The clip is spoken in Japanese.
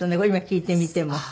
今聴いてみても。